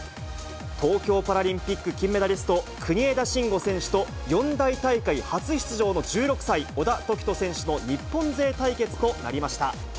東京パラリンピック金メダリスト、国枝慎吾選手と、四大大会初出場の１６歳、小田凱人選手の日本勢対決となりました。